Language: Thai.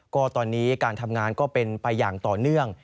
ก็ตอนนี้การทำงานก็เป็นไปอย่างต่อเนื่อง